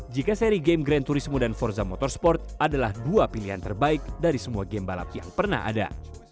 jika seri game grand turismo dan forza motorsport adalah dua pilihan terbaik dari semua game balap yang pernah ada